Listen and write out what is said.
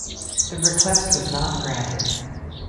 The request was not granted.